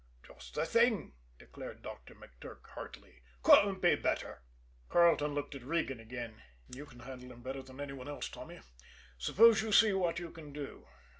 "Just the thing!" declared Doctor McTurk heartily. "Couldn't be better." Carleton looked at Regan again. "You can handle him better than any one else, Tommy. Suppose you see what you can do?